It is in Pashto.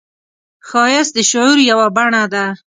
ښایست د شعور یوه بڼه ده